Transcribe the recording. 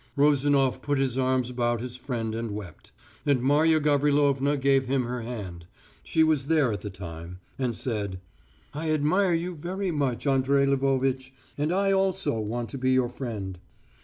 Rozanof put his arms about his friend and wept. And Marya Gavrilovna gave him her hand she was there at the time and said: "I admire you very much, Andrey Lvovitch, and I also want to be your friend."